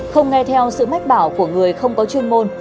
không nghe theo sự mách bảo của người không có chuyên môn